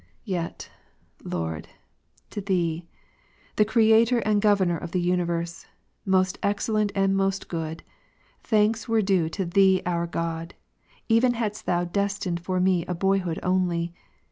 ''*''* 31. Yet, Lord, to Thee, the Creator and Governor of the universe, most excellent and most good, thanks were due to Thee our God, even hadst Thou destined for me boyhood only.